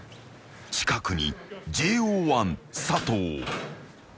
［近くにＪＯ１佐藤］